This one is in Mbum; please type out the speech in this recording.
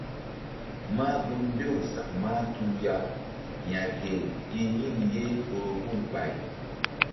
Mah gun mbew sak mahtuh ya yagel i yin ye Borohul ɓay.